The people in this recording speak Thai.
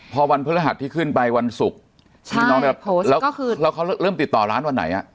พอวันพฤหัสที่ขึ้นไปวันศุกร์แล้วเขาเริ่มติดต่อร้านวันไหน